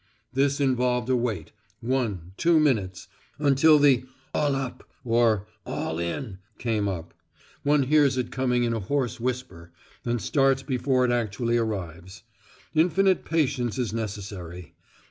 This involved a wait one, two minutes until the "All up" or "All in" came up. (One hears it coming in a hoarse whisper, and starts before it actually arrives. Infinite patience is necessary.